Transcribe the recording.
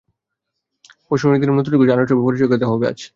পরশু নিয়োগ দিলেও নতুন কোচকে আনুষ্ঠানিকভাবে পরিচয় করিয়ে দেওয়া হবে আজ।